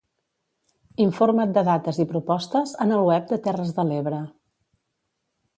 Informa't de dates i propostes en el web de Terres de l'Ebre.